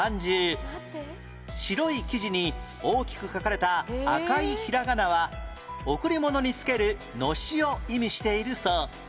白い生地に大きく書かれた赤いひらがなは贈り物につけるのしを意味しているそう